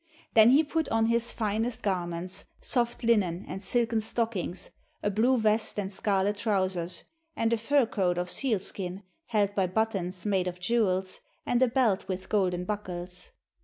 Then he put on his finest garments, soft linen, and silken stockings, a blue vest and scarlet trousers, and a fur coat of sealskin, held by buttons made of jewels, and a belt with golden buckles.